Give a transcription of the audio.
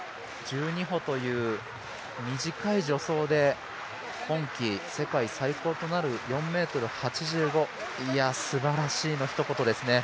１２歩という短い助走で今季、世界最高となる４ｍ８５すばらしいのひと言ですね。